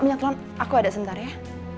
minyak telan aku ada sebentar ya